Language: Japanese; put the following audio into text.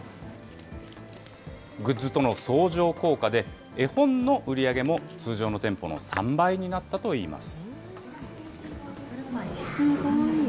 グッズとの相乗効果で、絵本の売り上げも通常の店舗の３倍になったといいます。